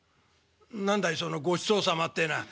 「何だいその『ごちそうさま』ってえのは」。